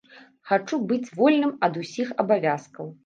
Хачу быць вольным ад усіх абавязкаў.